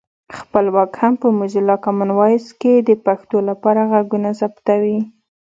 خپلواک هم په موزیلا کامن وایس کې د پښتو لپاره غږونه ثبتوي